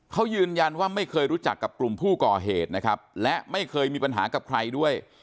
เขายืนยันว่าไม่เคยรู้จักกับกลุ่มผู้ก่อเหตุนะครับและไม่เคยมีปัญหากับใครด้วย